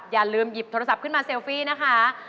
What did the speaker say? อย่าลืมหยิบโทรศัพท์ขึ้นมาเซลฟี่นะคะ